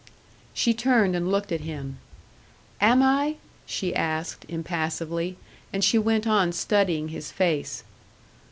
She turned and looked at him. "Am I?" she asked, impassively; and she went on studying his face.